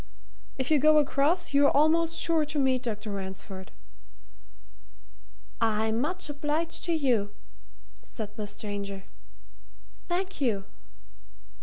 If you go across, you're almost sure to meet Dr. Ransford." "I'm much obliged to you," said the stranger. "Thank you."